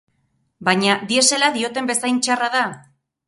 Baina diesela dioten bezain txarra da?